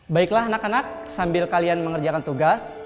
baiklah anak anak sambil kalian mengerjakan tugas